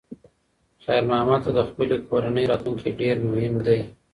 خیر محمد ته د خپلې کورنۍ راتلونکی ډېر مهم دی.